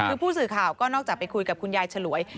คือผู้สื่อข่าวก็นอกจากไปคุยกับคุณยายฉลวย